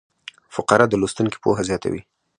فقره د لوستونکي پوهه زیاتوي.